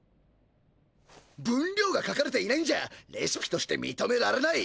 分りょうが書かれていないんじゃレシピとしてみとめられない！